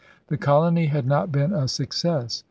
The colony had not been a success.